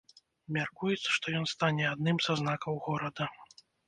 Мяркуецца, што ён стане адным са знакаў горада.